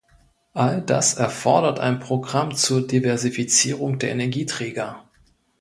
All das erfordert ein Programm zur Diversifizierung der Energieträger.